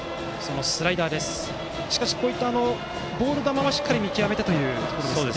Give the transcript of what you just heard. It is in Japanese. こういったボール球はしっかり見極めてというところですね。